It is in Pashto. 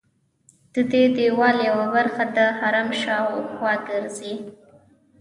ددې دیوال یوه برخه د حرم شاوخوا ګرځي.